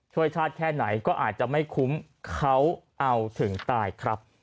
ช่วยชาติแค่ไหนก็อาจจะไม่คุ้มเขาเอาถึงตายครับ